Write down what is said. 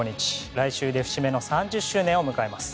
来週で節目の３０周年を迎えます。